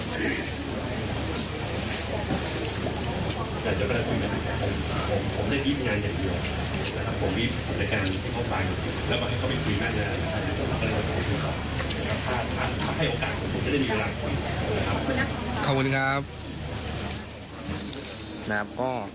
ขอบคุณครับ